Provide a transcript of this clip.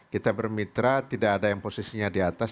kita bermitra tidak ada yang posisinya di atas